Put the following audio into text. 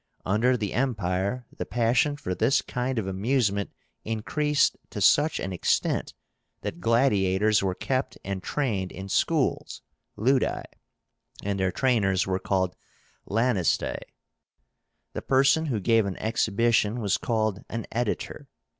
Under the Empire the passion for this kind of amusement increased to such an extent, that gladiators were kept and trained in schools (ludi) and their trainers were called Lanistae. The person who gave an exhibition was called an EDITOR.